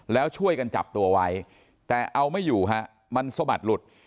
แล้วช่วยกันจับตัวไว้แต่เอาไม่อยู่ฮะมันสะบัดหลุด